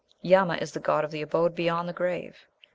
Yama is the god of the abode beyond the grave.